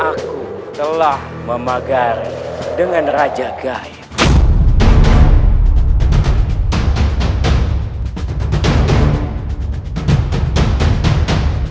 aku telah memagari dengan raja gaib